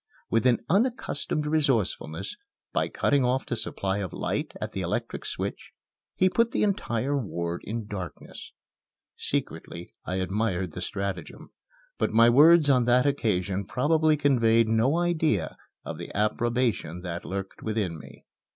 With an unaccustomed resourcefulness, by cutting off the supply of light at the electric switch, he put the entire ward in darkness. Secretly I admired the stratagem, but my words on that occasion probably conveyed no idea of the approbation that lurked within me.